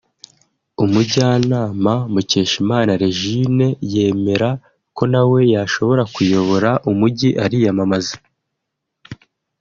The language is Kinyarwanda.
umujyanama Mukeshimana Regine yemera ko nawe yashobora kuyobora umujyi ariyamamaza